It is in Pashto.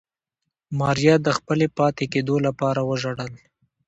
ماريا د خپلې پاتې کېدو لپاره وژړل.